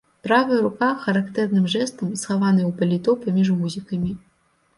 Правая рука характэрным жэстам схаваная ў паліто паміж гузікамі.